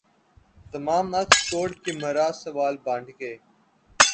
تمام عکس توڑ کے مرا سوال بانٹ کے